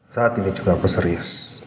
saat ini juga aku serius